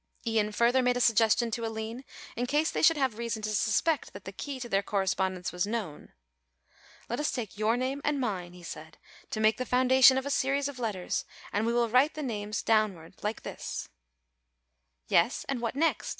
Ian further made a suggestion to Aline in case they should have reason to suspect that the key to their correspondence was known. "Let us take your name and mine," he said, "to make the foundation of a series of letters and we will write the names downward like this A L I N E" "Yes, and what next?"